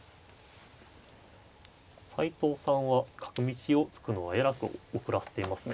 斎藤さんは角道を突くのはえらく遅らせていますね。